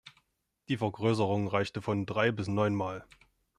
Die Vergrößerung reichte von drei- bis neunmal.